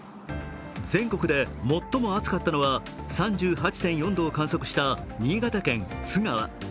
全国で最も暑かったのは３８．４度を観測した新潟県津川。